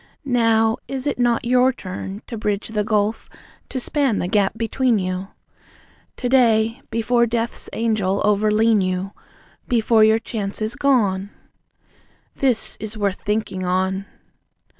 Now, is it not your turn To bridge the gulf, to span the gap be tween you? To day, before Death's angel over lean you, Before your chance is gone? This is worth thinking on.